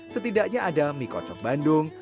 setidaknya ada mie kocok bandung